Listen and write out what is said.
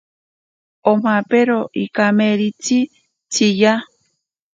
Omapero ikamaritzi tsiya.